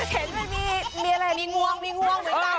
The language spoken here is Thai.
เห็นมันมีอะไรมีงวงมีงวง